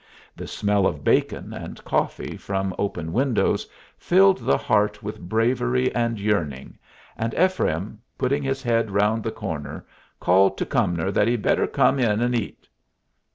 The smell of bacon and coffee from open windows filled the heart with bravery and yearning, and Ephraim, putting his head round the corner, called to Cumnor that he had better come in and eat.